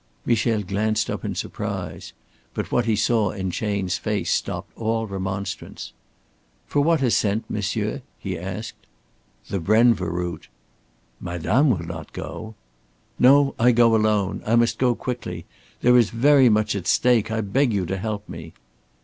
Michel glanced up in surprise. But what he saw in Chayne's face stopped all remonstrance. "For what ascent, monsieur?" he asked. "The Brenva route." "Madame will not go!" "No, I go alone. I must go quickly. There is very much at stake. I beg you to help me."